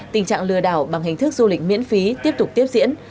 tình trạng lừa đảo bằng hình thức du lịch miễn phí tiếp tục tiếp diễn